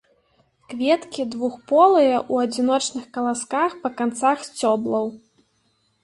Кветкі двухполыя, у адзіночных каласках па канцах сцёблаў.